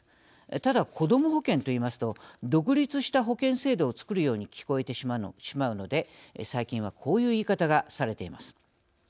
ただ、こども保険と言いますと独立した保険制度を作るように聞こえてしまうので最近は、こういう言い方がされています。